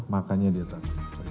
makanya dia takut